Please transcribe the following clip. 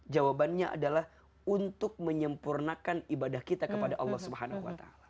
jawabannya adalah untuk menyempurnakan ibadah kita kepada allah swt